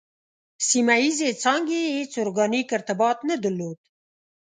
سیمه ییزې څانګې یې هېڅ ارګانیک ارتباط نه درلود.